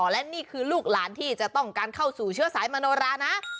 และนี่คือลูกหลานที่จะต้องการเข้าสู่เชื้อสายมโนรานะ